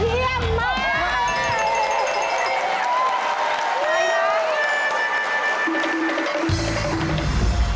เยี่ยมมาก